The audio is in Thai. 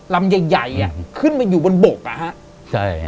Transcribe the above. ลำใหญ่อะขึ้นมาอยู่บนโบกอะฮะใช่